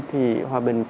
thì hòa bình